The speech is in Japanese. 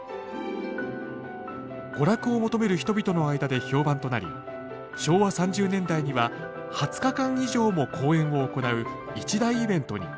娯楽を求める人々の間で評判となり昭和３０年代には二十日間以上も公演を行う一大イベントに。